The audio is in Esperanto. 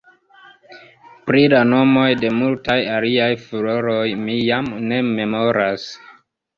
Pri la nomoj de multaj aliaj floroj mi jam ne memoras.